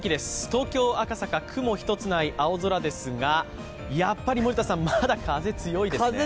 東京・赤坂、雲一つない青空ですが、やっぱりまだ風、強いですね。